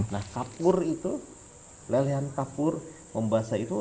nah kapur itu lelehan kapur membasa itu